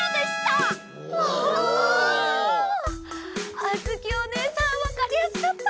あづきおねえさんわかりやすかった！